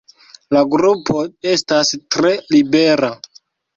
La grupo estas tre libera.